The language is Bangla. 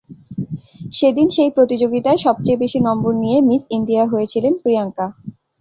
সেদিন সেই প্রতিযোগিতায় সবচেয়ে বেশি নম্বর নিয়ে মিস ইন্ডিয়া হয়েছিলেন প্রিয়াঙ্কা।